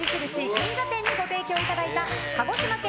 銀座店にご提供いただいた鹿児島県